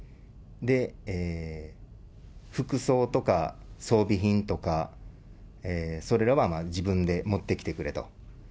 で、服装とか装備品とか、それらは自分で持ってきてくれと。